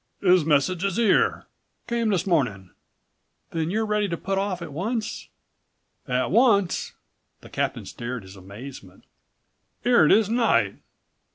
"'Is message is 'ere; came this morning." "Then you're ready to put off at once." "At once!" The captain stared his amazement. "'Ere it is night.